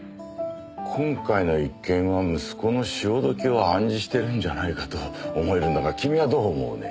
今回の一件は息子の潮時を暗示してるんじゃないかと思えるんだが君はどう思うね？